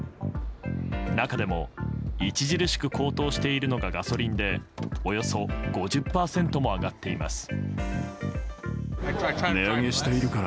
中でも著しく高騰しているのがガソリンでおよそ５０％も上がっています。